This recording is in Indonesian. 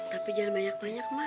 tapi jangan banyak banyak mah